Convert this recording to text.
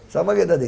sama kayak tadi